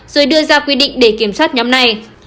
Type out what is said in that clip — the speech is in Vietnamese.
rồi đưa ra quy định để kiểm soát nhóm này